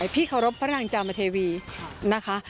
พี่เคารพพระนางจามเทวีนะคะ